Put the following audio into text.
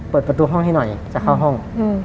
เปิดประตูห้องให้หน่อยจะเข้าห้อง